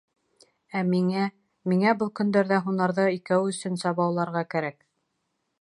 Ә миңә... миңә был көндәрҙә һунарҙа икәү өсөн сабауларға кәрәк.